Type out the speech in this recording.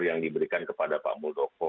yang diberikan kepada pak muldoko